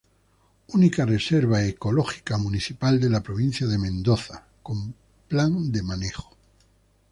Única reserva ecológica municipal de la provincia de Mendoza con plan de manejo.